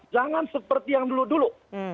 jangan seperti yang dulu dulu